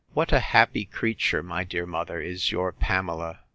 What a happy creature, my dear mother, is your Pamela!